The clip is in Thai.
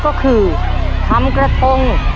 ก็คือทำกระทง